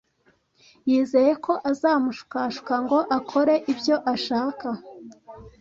Yizeye ko azamushukashuka ngo akore ibyo ashaka.